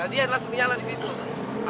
dia langsung nyala di situ